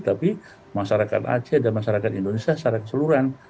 tapi masyarakat aceh dan masyarakat indonesia secara keseluruhan